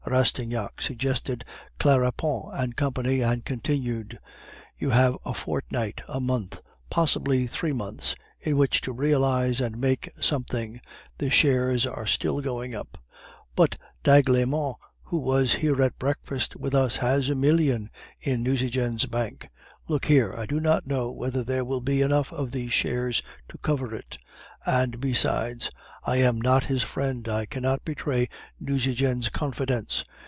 Rastignac suggested Claparon and Company, and continued 'You have a fortnight, a month, possibly three months, in which to realize and make something; the shares are still going up ' "'But d'Aiglemont, who was here at breakfast with us, has a million in Nucingen's bank.' "'Look here; I do not know whether there will be enough of these shares to cover it; and besides, I am not his friend, I cannot betray Nucingen's confidence.